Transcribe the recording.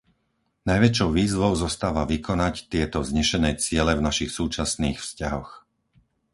Najväčšou výzvou zostáva vykonať tieto vznešené ciele v našich súčasných vzťahoch.